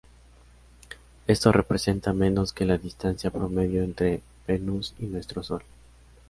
Esto representa menos que la distancia promedio entre Venus y nuestro sol.